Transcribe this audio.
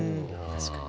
確かに。